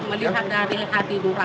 melihat dari hati nurani